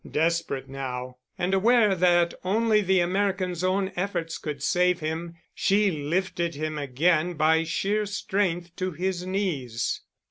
Desperate now, and aware that only the American's own efforts could save him, she lifted him again by sheer strength to his knees.